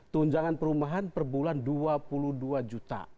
tunjangan perumahan per bulan dua puluh dua juta